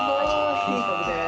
金箔です。